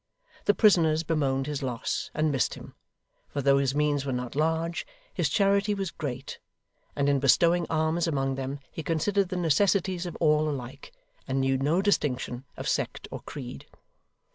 The prisoners bemoaned his loss, and missed him; for though his means were not large, his charity was great, and in bestowing alms among them he considered the necessities of all alike, and knew no distinction of sect or creed.